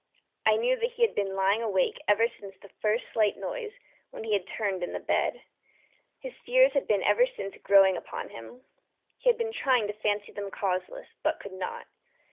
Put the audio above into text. I knew that he had been lying awake ever since the first slight noise, when he had turned in the bed. His fears had been ever since growing upon him. He had been trying to fancy them causeless, but could not.